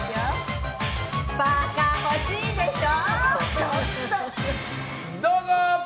パーカ欲しいでしょ？